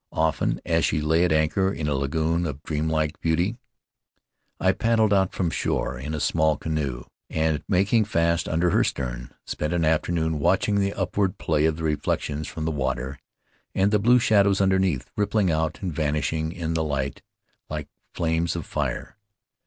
Often as she lay at anchor in a lagoon of dreamlike beauty I paddled out from shore in a small canoe, and, making fast under her stern, spent an afternoon watching the upward play of the reflections from the water and the blue shadows underneath, rippling out and vanishing in the light like flames of fire.